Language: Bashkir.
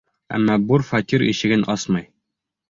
Әммә бур фатир ишеген асмай.